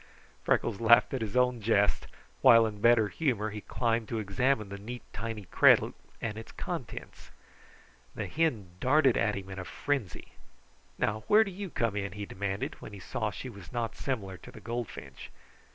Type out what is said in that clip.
Freckles laughed at his own jest, while in better humor he climbed to examine the neat, tiny cradle and its contents. The hen darted at him in a frenzy. "Now, where do you come in?" he demanded, when he saw that she was not similar to the goldfinch.